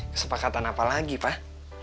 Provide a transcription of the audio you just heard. kesepakatan apa lagi pak